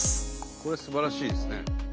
これすばらしいですね。